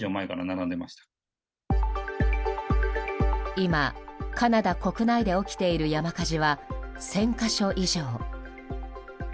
今、カナダ国内で起きている山火事は１０００か所以上。